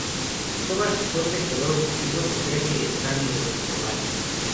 Las cuevas son un lugar obscuro ya que están en lo subterráneo.